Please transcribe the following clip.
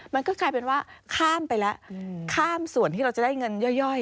มันก็กลายเป็นว่าข้ามไปแล้วข้ามส่วนที่เราจะได้เงินย่อย